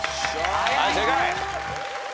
はい正解。